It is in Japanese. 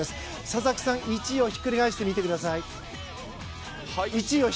佐々木さん、１位をひっくり返してください。